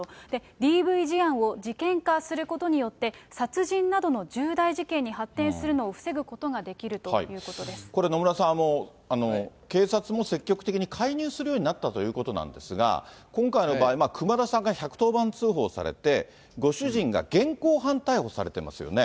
ＤＶ事案を事件化することによって、殺人などの重大事件に発展するのを防ぐことができるということでこれ、野村さん、警察も積極的に介入するようになったということなんですが、今回の場合、熊田さんが１１０番通報されて、ご主人が現行犯逮捕されていますよね。